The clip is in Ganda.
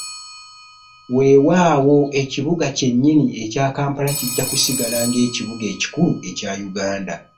Weewaawo ekibuga kyennyini ekya Kampala kijja kusigala ng’ekibuga ekikulu mu Yuganda.